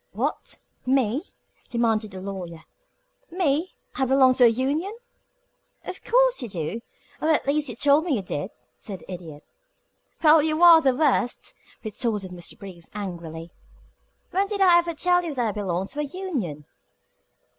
"What! Me?" demanded the Lawyer. "Me? I belong to a union?" "Of course you do or at least you told me you did," said the Idiot. "Well, you are the worst!" retorted Mr. Brief, angrily. "When did I ever tell you that I belonged to a union?"